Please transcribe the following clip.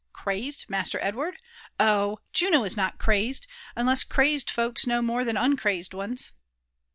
' "Crazed, Master Edward !~0h! Juno is not crazed — ^unless crazed folks know more than uncrazed ones."